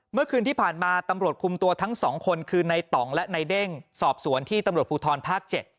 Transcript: เมื่อคืนที่ผ่านมาตำรวจคุมตัวทั้งสองคนคือในต่องและนายเด้งสอบสวนที่ตำรวจภูทรภาค๗